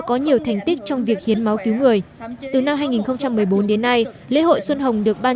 có nhiều thành tích trong việc hiến máu cứu người từ năm hai nghìn một mươi bốn đến nay lễ hội xuân hồng được ban